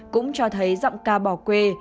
cũng cho thấy giọng ca bỏ quê